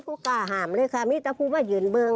ไม่มีผู้กล้าหามเลยค่ะมีแต่ผู้ไม่หยุ่นเมือง